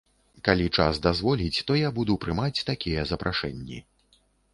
Калі час дазволіць, то я буду прымаць такія запрашэнні.